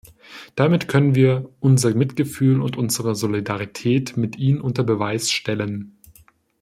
Damit könnten wir unser Mitgefühl und unsere Solidarität mit ihnen unter Beweis stellen.